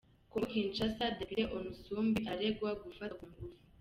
kongo Kinshasa Depite Onusumbi araregwa gufata ku ngufu